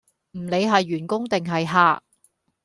唔理係員工定係客